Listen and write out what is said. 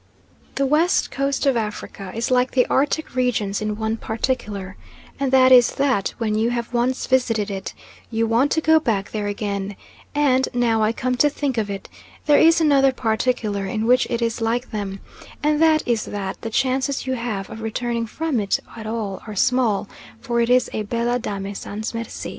The West Coast of Africa is like the Arctic regions in one particular, and that is that when you have once visited it you want to go back there again; and, now I come to think of it, there is another particular in which it is like them, and that is that the chances you have of returning from it at all are small, for it is a Belle Dame sans merci.